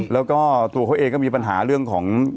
แล้วก็ตัวเขาเองก็มีปัญหาเรื่องของ